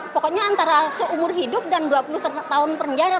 pokoknya antara seumur hidup dan dua puluh tahun penjara